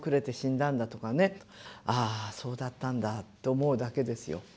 ああそうだったんだと思うだけですよ。